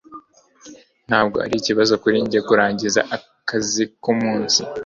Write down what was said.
ntabwo ari ikibazo kuri njye kurangiza akazi kumunsi